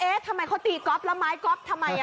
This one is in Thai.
เอ๊ะทำไมเขาตีกอล์ฟแล้วไม้กอล์ฟทำไมอ่ะ